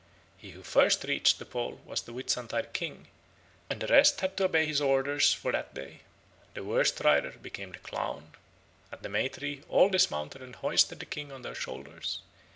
He who first reached the pole was the Whitsuntide King, and the rest had to obey his orders for that day. The worst rider became the clown. At the May tree all dismounted and hoisted the king on their shoulders.